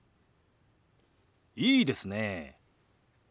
いいですねえ。